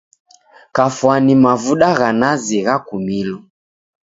Kafwani mavuda gha nazi ghakumilo.